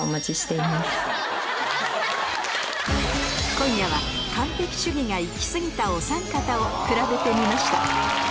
今夜は完璧主義が行き過ぎたおさん方をくらべてみました